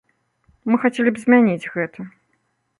Мы хацелі б змяніць гэта.